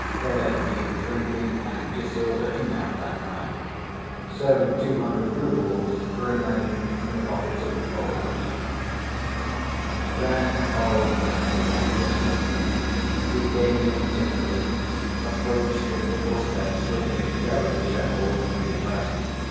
There had been drinking and disorder enough, that night.... So the two hundred roubles remained in the pockets of the Poles. Then old Maximov was summoned. He came in timidly, approached with little steps, looking very disheveled and depressed.